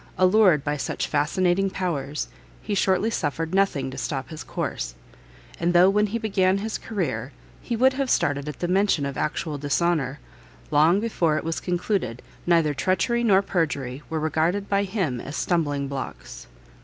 Allured by such fascinating powers, he shortly suffered nothing to stop his course; and though when he began his career he would have started at the mention of actual dishonour, long before it was concluded, neither treachery nor perjury were regarded by him as stumbling blocks.